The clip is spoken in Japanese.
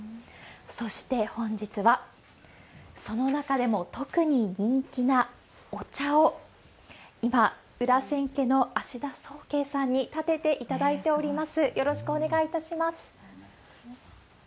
そして本日は、その中でも特に人気なお茶を、今、裏千家の芦田宗恵さんにたてていただいております。